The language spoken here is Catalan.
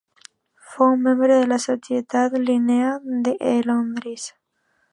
Fou membre de la Societat Linneana de Londres.